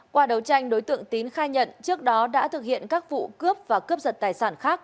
qua đấu tranh đối tượng tín khai nhận trước đó đã thực hiện các vụ cướp và cướp giật tài sản khác